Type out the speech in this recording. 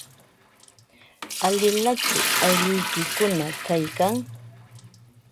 ¿Alilachu aylluykikuna kaykan?